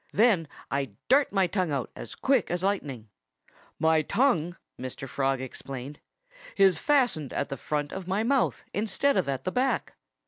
Then I dart my tongue at him as quick as lightning. "My tongue," Mr. Frog explained, "is fastened at the front of my mouth instead of at the back.